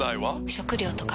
食料とか。